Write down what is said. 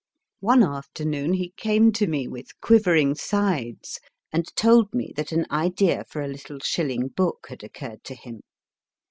One afternoon he came to me with quivering sides, and told me that an idea for a little shilling book had occurred to him.